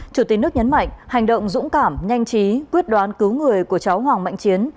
chủ tịch nước nhấn mạnh hành động dũng cảm nhanh chí quyết đoán cứu người của cháu hoàng mạnh chiến